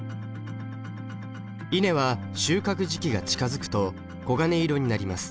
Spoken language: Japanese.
稲は収穫時期が近づくと黄金色になります。